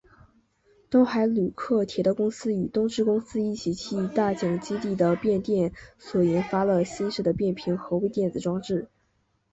东海旅客铁道公司与东芝公司一起替大井基地的变电所研发了新式的变频和微电子装置。